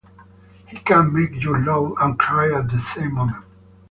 He can make you laugh and cry at the same moment.